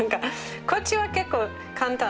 こっちは結構簡単。